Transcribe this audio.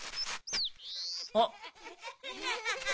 あっ。